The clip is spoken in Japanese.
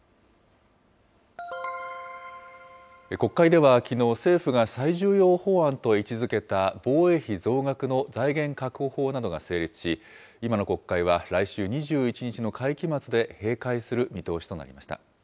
国会ではきのう、政府が最重要法案と位置づけた防衛費増額の財源確保法などが成立し、今の国会は来週２１日の会期末で閉会する見通しとなりました。